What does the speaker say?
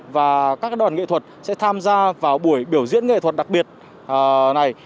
và các đoàn nghệ thuật sẽ tham gia vào buổi biểu diễn nghệ thuật đặc biệt này